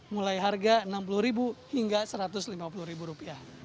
mulai harga enam puluh hingga satu ratus lima puluh rupiah